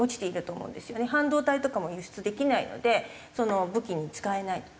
半導体とかも輸出できないのでその武器に使えないと。